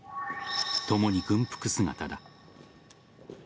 ともに軍服姿だ。